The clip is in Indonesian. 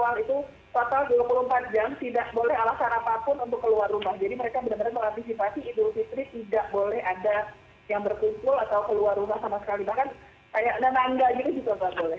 bahkan kayak nananda juga gak boleh